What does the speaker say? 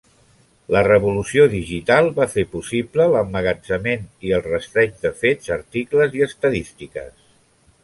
La Revolució Digital va fer possible l’emmagatzemament i el rastreig de fets, articles i estadístiques.